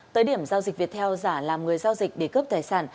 tới điểm giao dịch viettel giả làm người giao dịch để cướp tài sản